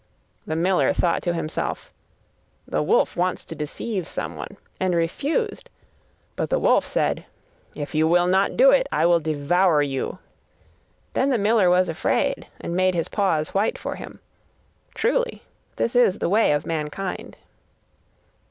The miller thought to himself: 'The wolf wants to deceive someone,' and refused; but the wolf said: 'If you will not do it, I will devour you.' Then the miller was afraid, and made his paws white for him. Truly, this is the way of mankind.